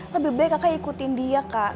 lebih baik kakak ikutin dia kak